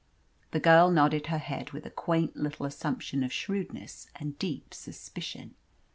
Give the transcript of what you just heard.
The girl nodded her head with a quaint little assumption of shrewdness and deep suspicion.